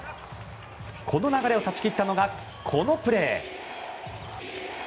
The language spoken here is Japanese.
この流れを断ち切ったのがこのプレー。